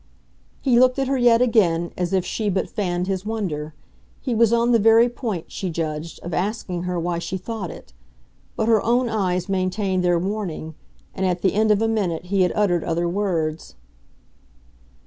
He looked at her yet again as if she but fanned his wonder; he was on the very point, she judged, of asking her why she thought it. But her own eyes maintained their warning, and at the end of a minute he had uttered other words.